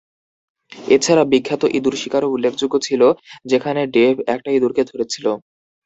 এছাড়া, "বিখ্যাত" ইঁদুর শিকারও উল্লেখযোগ্য ছিল, যেখানে ডেভ একটা ইঁদুরকে ধরেছিল।